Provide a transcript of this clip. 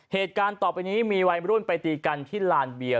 เหตุการณ์ต่อไปนี้มีวัยรุ่นไปตีกันที่ลานเบียร์